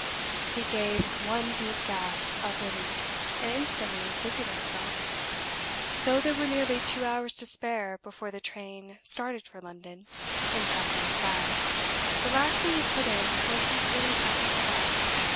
He gave one deep gasp of relief, and instantly busied himself though there were nearly two hours to spare before the train started for London in packing his bag. The last thing he put in was his blue satin cravat.